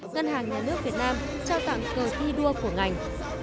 ngân hàng nhà nước việt nam trao tặng cờ thi đua của ngành